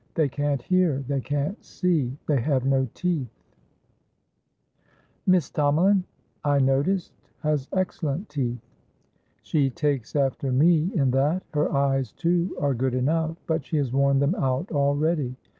They can't hear, they can't see, they have no teeth" "Miss Tomalin, I noticed, has excellent teeth." "She takes after me in that. Her eyes, too, are good enough, but she has worn them out already.